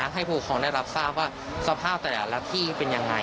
ให้ผู้คนได้รับทราบว่าสภาพแต่ละที่เป็นอย่างไร